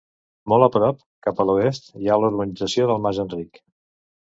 Molt a prop, cap a l'oest, hi ha la urbanització del Mas Enric.